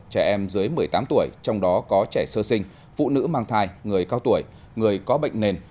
trẻ em dưới một mươi tám tuổi trong đó có trẻ sơ sinh phụ nữ mang thai người cao tuổi người có bệnh nền